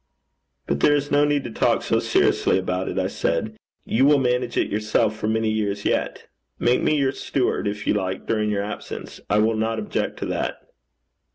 'But there is no need to talk so seriously about it,' I said. 'You will manage it yourself for many years yet. Make me your steward, if you like, during your absence: I will not object to that.'